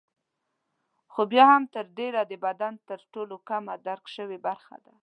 خو بیا هم تر ډېره د بدن تر ټولو کمه درک شوې برخه ده.